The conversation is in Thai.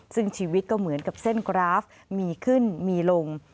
ซึ่งชีวิตก็เหมือนกับเส้นกราฟมีขึ้นมีลง